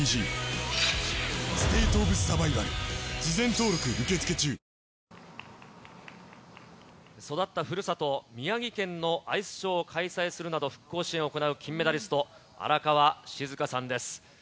ただ、気温も低くて、育ったふるさと、宮城県のアイスショーを開催するなど復興支援を行う金メダリスト、荒川静香さんです。